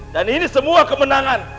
dan ini semua kemenangan